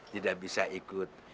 tidak bisa ikut